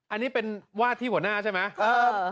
อันนี้เป็นวาดที่หัวหน้าใช่ไหม